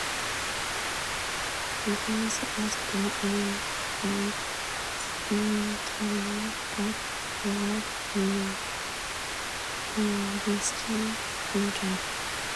Legace was born in Toronto, Ontario, but grew up in Alliston, Ontario.